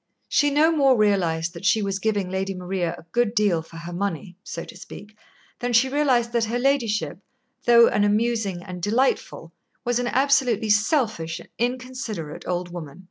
She no more realised that she was giving Lady Maria a good deal for her money, so to speak, than she realised that her ladyship, though an amusing and delightful, was an absolutely selfish and inconsiderate old woman.